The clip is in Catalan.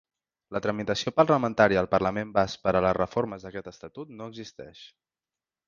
La tramitació parlamentària al Parlament basc per a les reformes d'aquest estatut no existeix.